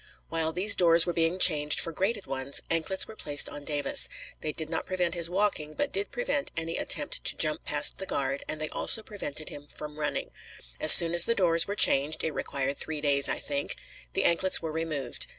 While these doors were being changed for grated ones, anklets were placed on Davis; they did not prevent his walking, but did prevent any attempt to jump past the guard, and they also prevented him from running. As soon as the doors were changed (it required three days, I think), the anklets were removed.